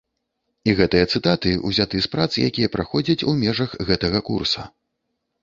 І гэтыя цытаты ўзяты з прац, якія праходзяць у межах гэтага курса.